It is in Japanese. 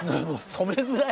染めづらい。